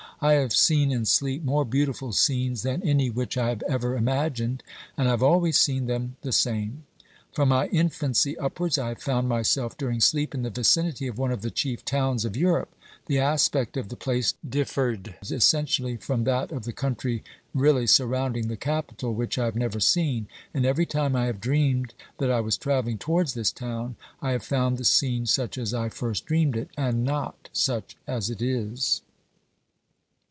I have seen in sleep more beautiful scenes than any which I have ever imagined, and I have always seen them the same. From my infancy upwards, I have found myself during sleep, in the vicinity of one of the chief towns of Europe; the aspect of the place differed essentially from that of the country really surrounding the capital, which I have never seen, and every time I have dreamed that I was travelling towards this town I have found the scene such as I first dreamed it, and not such as it is.